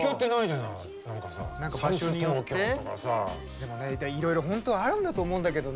でもねいろいろ本当はあるんだと思うんだけどね。